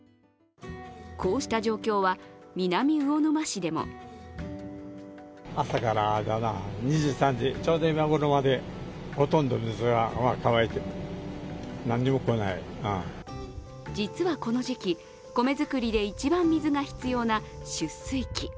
こうした状況は南魚沼市でも実はこの時期、米作りで一番水が必要な出穂期。